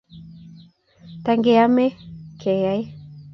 Tangeamei keyaei.